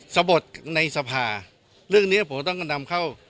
สะบดในสภาเรื่องนี้ผมต้องนำเข้า